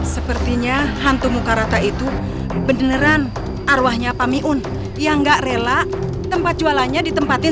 sepertinya hantu muka rata itu beneran arwahnya pamiun yang gak rela tempat jualannya ditempatin